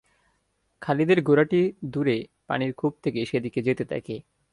খালিদের ঘোড়াটি দূরে পানির কূপ দেখে সেদিকে যেতে থাকে।